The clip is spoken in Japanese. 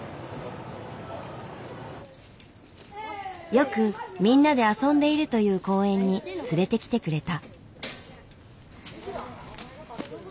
よくみんなで遊んでいるという公園に連れてきてくれた。